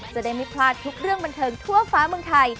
จะได้ไม่พลาดทุกเรื่องบันเทิงทั่วฟ้าเมืองไทย